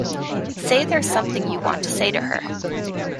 Say there's something you want to say to her.